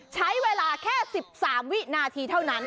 ใช้เวลาแค่๑๓วินาทีเท่านั้น